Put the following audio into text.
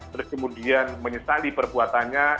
terus kemudian menyesali perbuatannya